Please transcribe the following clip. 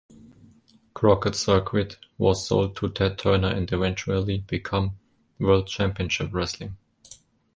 Crockett's circuit was sold to Ted Turner and eventually become World Championship Wrestling.